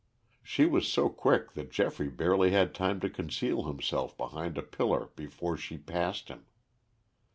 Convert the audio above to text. She was so quick that Geoffrey barely had time to conceal himself behind a pillar before she passed him.